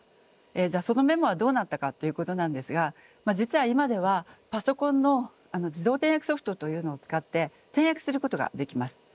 じゃあそのメモはどうなったかということなんですが実は今ではパソコンの自動点訳ソフトというのを使って点訳することができます。